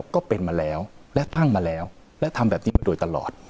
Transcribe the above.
ก็เป็นมาแล้วและตั้งมาแล้วและทำแบบนี้มาโดยตลอด